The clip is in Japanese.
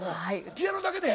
ピアノだけで？